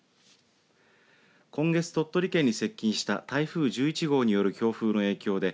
今月鳥取県に接近した台風１１号による強風の影響で